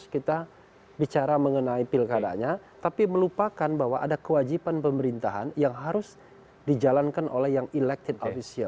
kita bicara mengenai pilkadanya tapi melupakan bahwa ada kewajiban pemerintahan yang harus dijalankan oleh yang elected official